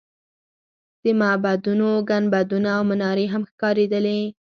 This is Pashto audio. د معبدونو ګنبدونه او منارې هم ښکارېدلې.